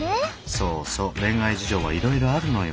そうそう恋愛事情はいろいろあるのよ。